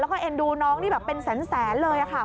แล้วก็เอ็นดูน้องนี่แบบเป็นแสนเลยค่ะ